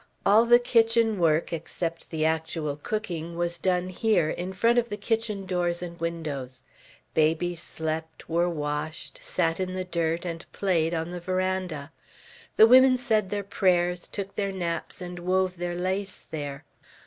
All the kitchen work, except the actual cooking, was done here, in front of the kitchen doors and windows. Babies slept, were washed, sat in the dirt, and played, on the veranda. The women said their prayers, took their naps, and wove their lace there.